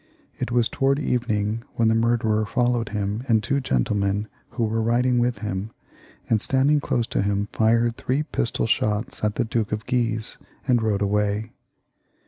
It was towards evening when the murderer followed him and two gentlemen who were riding with him, and standing close to him fired three pistol shots at the Duke of Guise and rode away.